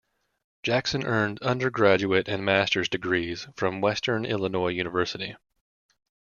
Jackson earned undergraduate and master's degrees from Western Illinois University.